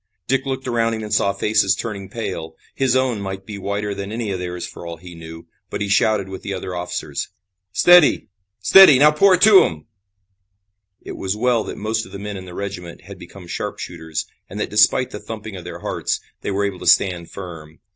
Dick looked around him and saw faces turning pale. His own might be whiter than any of theirs for all he knew, but he shouted with the other officers: "Steady! Steady! Now pour it into 'em!" It was well that most of the men in the regiment had become sharpshooters, and that despite the thumping of their hearts, they were able to stand firm.